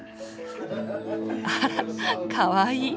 あらかわいい。